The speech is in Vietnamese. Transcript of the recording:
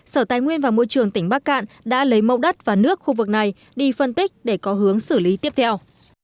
sở tài nguyên và môi trường tỉnh bắc cạn đã lấy mẫu đất và nước khu vực này đi phân tích để có hướng xử lý tiếp theo